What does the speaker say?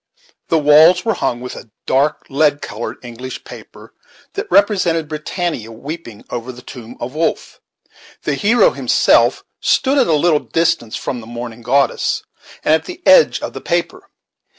The walls were hung with a dark lead colored English paper that represented Britannia weeping over the tomb of Wolfe, The hero himself stood at a little distance from the mourning goddess, and at the edge of the paper.